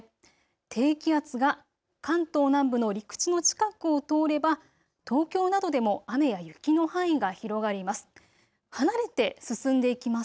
低気圧が関東南部の陸地の近くを通れば東京などでも雨や雪の範囲が広がります。